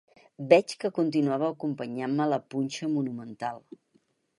Veig que continuava acompanyant-me la punxa monumental